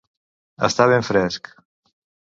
Estar ben fresc.